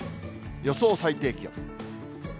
予想最低気温。